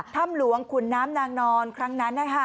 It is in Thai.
ถ้ำหลวงขุนน้ำนางนอนครั้งนั้น